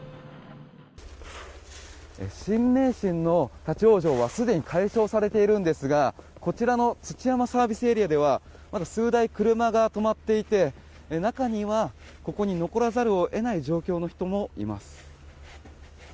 新名神の立ち往生はすでに解消されているんですがこちらの土山ＳＡではまだ数台車が止まっていて中にはここに残らざるを得ない状況の人もいます。